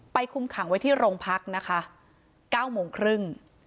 คุมขังไว้ที่โรงพักนะคะ๙โมงครึ่ง